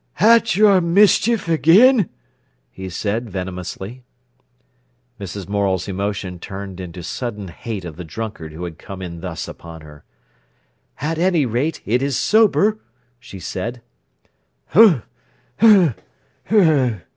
"At your mischief again?" he said venomously. Mrs. Morel's emotion turned into sudden hate of the drunkard who had come in thus upon her. "At any rate, it is sober," she said. "H'm—h'm! h'm—h'm!"